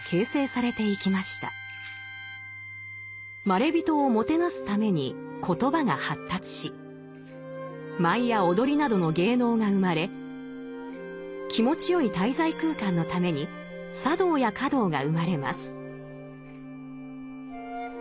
まれびとをもてなすために言葉が発達し舞や踊りなどの芸能が生まれ気持ちよい滞在空間のために茶道や華道が生まれます。